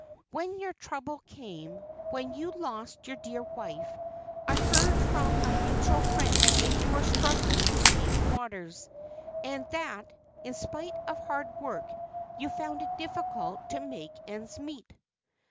When your trouble came, when you lost your dear wife, I heard from a mutual friend that you were struggling in deep waters, and that, in spite of hard work, you found it difficult to make ends meet."